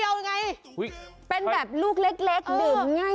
ใช่เป็นแบบลูกเล็กดื่มง่าย